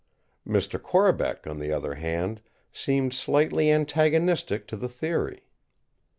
Mr. Corbeck, on the other hand, seemed slightly antagonistic to the theory.